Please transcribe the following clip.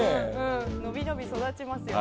伸び伸び育ちますよ。